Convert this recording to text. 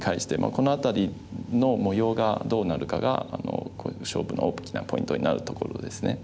この辺りの模様がどうなるかが勝負の大きなポイントになるところですね。